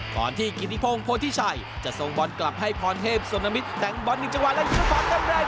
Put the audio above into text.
ก่อนที่กิริโภงโพธิชัยจะส่งบอลกลับให้พรเทพสมนามิตรแต่งบอล๑จังหวัดและยืนฝากกันแรง